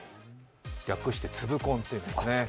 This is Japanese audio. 略してツブコンっていうやつですね。